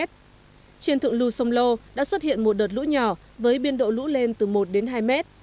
trên thượng lưu sông lô đã xuất hiện một đợt lũ nhỏ với biên độ lũ lên từ một đến hai mét